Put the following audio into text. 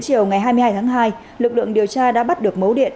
vào ngày hai mươi tháng hai lực lượng điều tra đã bắt được mấu điện